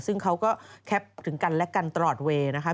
ซึ่งเขาก็แคปถึงกันและกันตลอดเวย์นะคะ